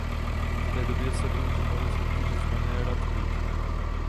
V té době se využívali v soutěži zvané Rat Pit.